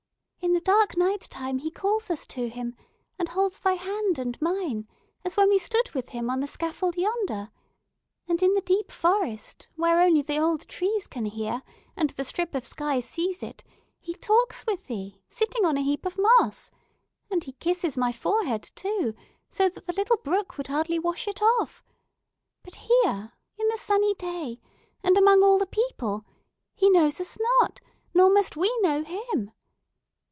"In the dark nighttime he calls us to him, and holds thy hand and mine, as when we stood with him on the scaffold yonder! And in the deep forest, where only the old trees can hear, and the strip of sky see it, he talks with thee, sitting on a heap of moss! And he kisses my forehead, too, so that the little brook would hardly wash it off! But, here, in the sunny day, and among all the people, he knows us not; nor must we know him!